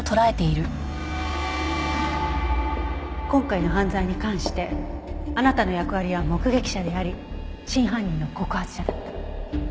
今回の犯罪に関してあなたの役割は目撃者であり真犯人の告発者だった。